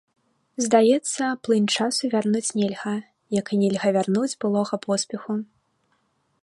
Здаецца, плынь часу вярнуць нельга, як і нельга вярнуць былога поспеху.